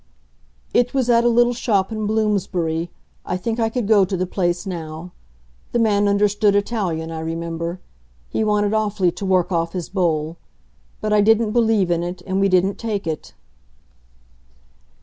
"It was at a little shop in Bloomsbury I think I could go to the place now. The man understood Italian, I remember; he wanted awfully to work off his bowl. But I didn't believe in it, and we didn't take it."